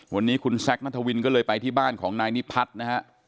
วันนี้คุณแซคนัทวินก็เลยไปที่บ้านของนายนิพัฒน์นะฮะ